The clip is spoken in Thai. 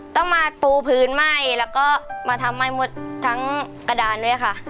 ต้องมาปูพื้นไหม้แล้วก็มาทำให้หมดทั้งกระดานด้วยค่ะ